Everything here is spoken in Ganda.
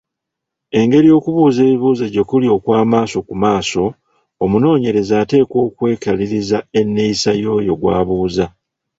Engeri okubuuza ebibuuzo gye kuli okw’amaaso ku maaso, omunoonyereza ateekwa n’okwekaliriza enneeyisa y’oyo gw’abuuza.